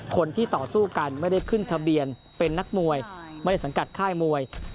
คนที่ต่อสู้กันไม่ได้ขึ้นทะเบียนเป็นนักมวยไม่ได้สังกัดค่ายมวย